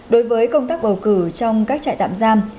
đối với công tác bầu cử trong các trại tạm giam